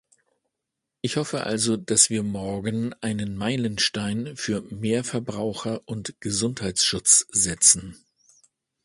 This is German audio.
Ich hoffe also, dass wir morgen einen Meilenstein für mehr Verbraucher- und Gesundheitsschutz setzen.